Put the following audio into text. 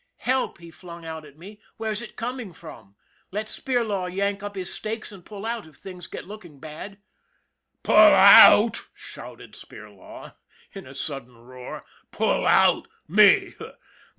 ' Help !' he flung out at me. ' Where's it coming from ? Let Spirlaw yank up his stakes and pull out if things get looking bad !'" Pull out !" shouted Spirlaw, in a sudden roar. "Pull out! Me!